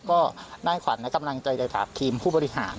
ก็ได้ขวัญให้กำลังใจจากทีมผู้บริหาร